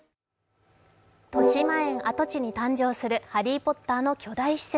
としまえん跡地に誕生する「ハリー・ポッター」の巨大施設。